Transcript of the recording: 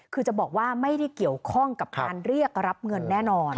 คือจะบอกว่าไม่ได้เกี่ยวข้องกับการเรียกรับเงินแน่นอน